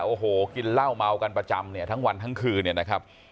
โอ้โหกินเหล้าเมากันประจำเนี่ยทั้งวันทั้งคืนเนี่ยนะครับ